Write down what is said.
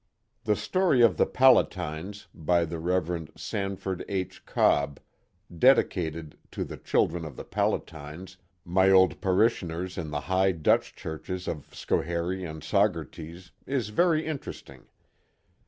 The Story of the Palatines^ by the Rev. Sanford H. Cobb, dedicated " To the Children of the Palatines, my Old Parish ioners in the High Dutch Churches of Schoharie and Sauger ties," is very interesting.